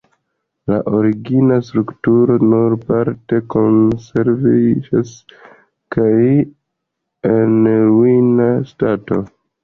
La origina strukturo nur parte konserviĝas kaj en ruina stato.